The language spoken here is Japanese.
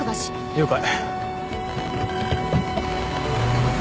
了解。